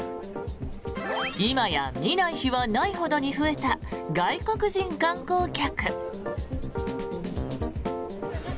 今や見ない日はないほどに増えた外国人観光客。